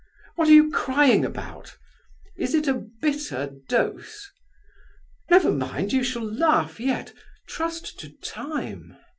What are you crying about? Is it a bitter dose? Never mind, you shall laugh yet. Trust to time."